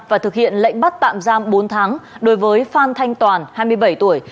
và thực hiện lệnh bắt tạm giam bốn tháng đối với phan thanh toàn hai mươi bảy tuổi